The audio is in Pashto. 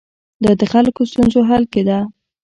دا د خلکو ستونزو حل کې ده.